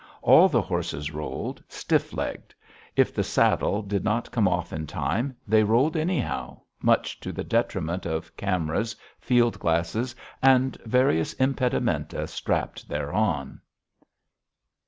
All the horses rolled, stiff legged. If the saddle did not come off in time, they rolled anyhow, much to the detriment of cameras, field glasses, and various impedimenta strapped thereon.